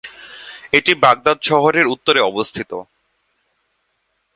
এটি বাগদাদ শহরের উত্তরে অবস্থিত।